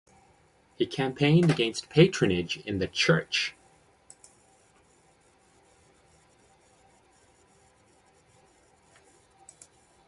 He campaigned against patronage in the Church.